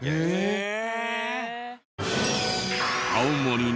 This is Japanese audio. へえ。